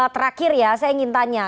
terakhir ya saya ingin tanya